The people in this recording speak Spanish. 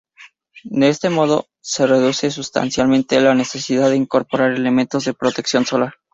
De este modo, se reduce sustancialmente la necesidad de incorporar elementos de protección solar.